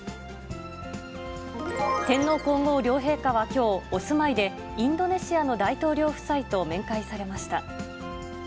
天皇皇后両陛下はきょう、お住まいでインドネシアの大統領夫妻と面会されました。